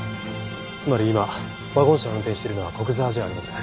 つまり今ワゴン車を運転しているのは古久沢じゃありません。